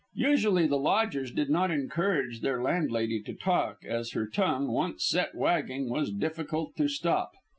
Usually the lodgers did not encourage their landlady to talk, as her tongue, once set wagging, was difficult to stop.